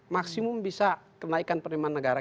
maksimum bisa kenaikan penerimaan negara